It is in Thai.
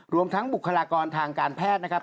รวมทั้งบุคลากรทางการแพทย์นะครับ